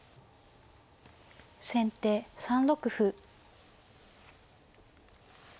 先手３六歩。